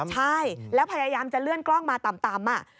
ใช่แล้วพยายามจะเลื่อนกล้องมาต่ำ